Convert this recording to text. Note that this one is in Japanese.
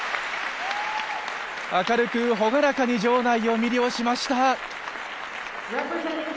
明るく朗らかに場内を魅了しました。